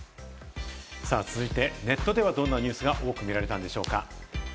続いて、ネットではどんなニュースが多く見られたのでしょうか？